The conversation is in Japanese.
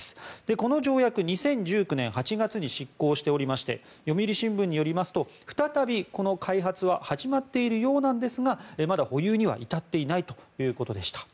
この条約、２０１９年８月に失効しておりまして読売新聞によりますと再び、開発は始まっているようなんですがまだ保有には至っていないということでした。